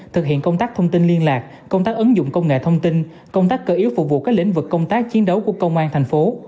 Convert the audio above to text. thực hiện công tác thông tin liên lạc công tác ứng dụng công nghệ thông tin công tác cơ yếu phục vụ các lĩnh vực công tác chiến đấu của công an thành phố